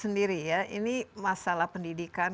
sendiri ya ini masalah pendidikan